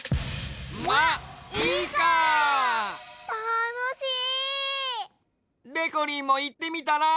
たのしい！でこりんもいってみたら？